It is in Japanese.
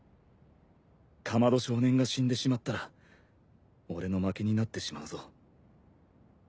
竈門少年が死んでしまったら俺の負けになってしまうぞ。